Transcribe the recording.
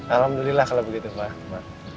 alhamdulillah kalau begitu pak